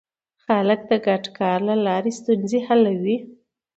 خلک د ګډ کار له لارې ستونزې حلوي